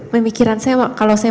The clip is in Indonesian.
pemikiran saya kalau saya